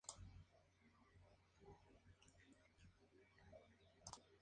Es un cálculo complejo usando cada una de las estadísticas individuales.